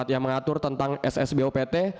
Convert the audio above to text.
yang mengatur tentang ssbupt